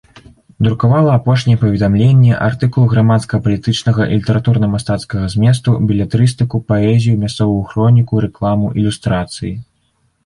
Друкавала апошнія паведамленні, артыкулы грамадска-палітычнага і літаратурна-мастацкага зместу, белетрыстыку, паэзію, мясцовую хроніку, рэкламу, ілюстрацыі.